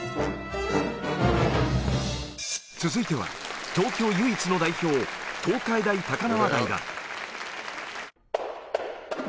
続いては、東京唯一の代表、東海大高輪台だ。